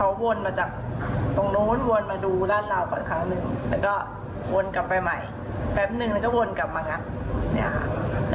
หาวนมาจากตรงนู้นวนมาดูราวข้างหนึ่งแล้วก็วนกลับไปใหม่แป๊บหนึ่งแล้วก็วนกลับมางั้น